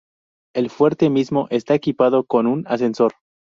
El fuerte mismo está equipado con un ascensor.